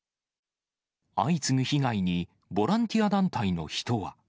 相次ぐ被害に、ボランティア団体の人は。